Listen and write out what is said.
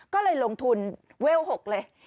ก็เลยลงทุนเวล๖เลย